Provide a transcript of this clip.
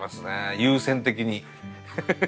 優先的に。